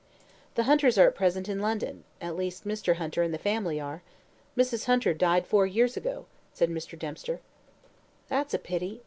"The Hunters are at present in London at least, Mr. Hunter and the family are. Mrs. Hunter died four years ago," said Mr. Dempster. "That's a pity.